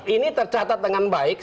ini tercatat dengan baik